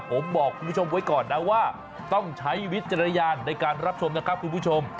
ผมบอกคุณผู้ชมไว้ก่อนนะว่าต้องใช้วิจารณญาณในการรับชมนะครับคุณผู้ชม